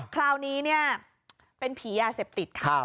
คราวนี้เนี่ยเป็นผียาเสพติดค่ะ